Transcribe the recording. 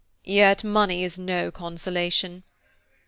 "Yet money is no consolation."